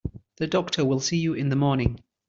The doctor will see you in the morning.